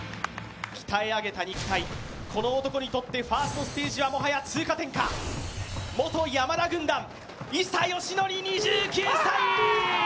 鍛え上げた肉体この男にとってファーストステージはもはや通過点か、元山田軍団、伊佐嘉矩２９歳。